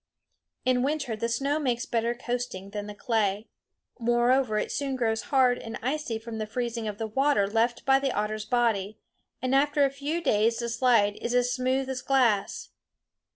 In winter the snow makes better coasting than the clay. Moreover it soon grows hard and icy from the freezing of the water left by the otter's body, and after a few days the slide is as smooth as glass.